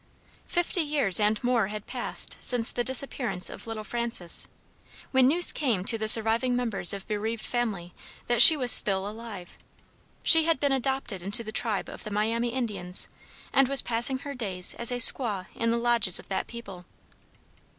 Fifty years and more had passed since the disappearance of little Frances, when news came to the surviving members of the bereaved family that she was still alive. She had been adopted into the tribe of the Miami Indians, and was passing her days as a squaw in the lodges of that people.